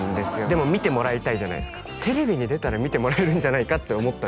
でも見てもらいたいじゃないですかテレビに出たら見てもらえるんじゃないかって思ったんです